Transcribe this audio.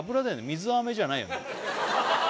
水あめじゃないよね